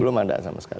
belum ada sama sekali